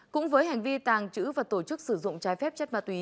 cũng với hành vi tàng trữ và tổ chức sử dụng trái phép chất ma túy